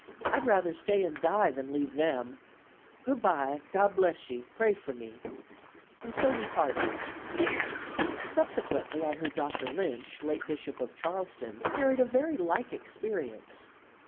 I'd rather stay and die than leave them. Good bye. God bless ye. Pray for me,' and so we parted. [Illustration: "PEACE FOR HER."] "Subsequently I heard Dr. Lynch, late Bishop of Charleston, narrate a very like experience.